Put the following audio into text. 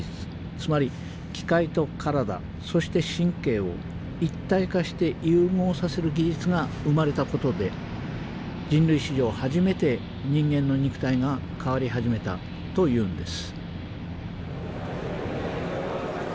つまり機械と体そして神経を一体化して融合させる技術が生まれたことで人類史上初めて人間の肉体が変わり始めたというのです。